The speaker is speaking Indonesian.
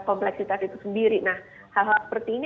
kompleksitas itu sendiri nah hal hal seperti ini